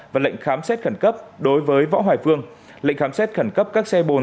và lệnh khám xét khẩn cấp đối với võ hoài phương lệnh khám xét khẩn cấp các xe bồn